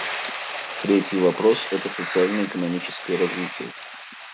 Третий вопрос — это социально-экономическое развитие.